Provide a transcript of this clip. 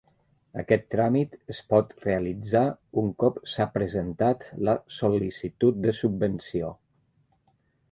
Aquest tràmit es pot realitzar un cop s'ha presentat la sol·licitud de subvenció.